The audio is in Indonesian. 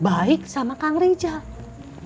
baik sama kang rizal